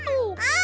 あ！